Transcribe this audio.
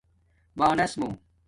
بانس موں